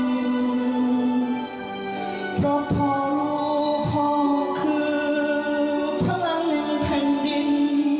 เพราะพ่อรู้พ่อคือพลังหนึ่งแผ่นดิน